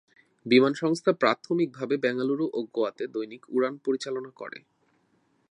বিমানসংস্থা প্রাথমিকভাবে বেঙ্গালুরু ও গোয়াতে দৈনিক উড়ান পরিচালনা করে।